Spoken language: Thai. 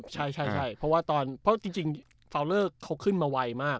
ใช่เพราะว่าตอนเพราะจริงฟาวเลอร์เขาขึ้นมาไวมาก